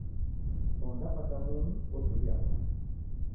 Ondapata mumi, otulia kwake